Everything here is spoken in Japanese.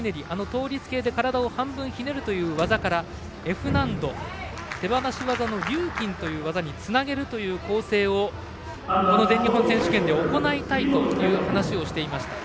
倒立系で体を半分ひねる技からＦ難度、手放し技のリューキンという技につなげるという構成をこの全日本選手権で行いたいという話をしていました。